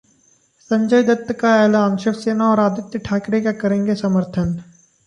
संजय दत्त का ऐलान, शिवसेना और आदित्य ठाकरे का करेंगे समर्थन